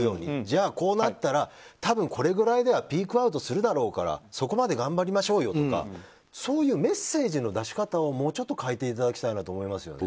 こうなったら多分これくらいでピークアウトするだろうからそこまで頑張りましょうよとかそういうメッセージの出し方をもうちょっと変えていただきたいと思います。